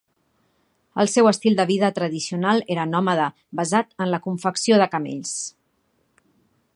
El seu estil de vida tradicional era nòmada, basat en la confecció de camells.